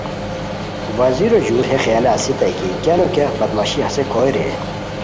وزیرو ژور ہے خیالہ اسیتائے کی کیا نو کیہ بدمعاشی ہیس کوئے رے